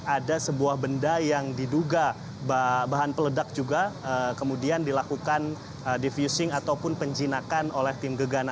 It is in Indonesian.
ada sebuah benda yang diduga bahan peledak juga kemudian dilakukan defusing ataupun penjinakan oleh tim gegana